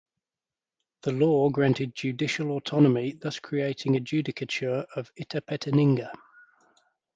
The law granted judicial autonomy, thus creating to judicature of Itapetininga.